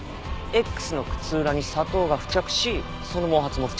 Ｘの靴裏に砂糖が付着しその毛髪も付着した。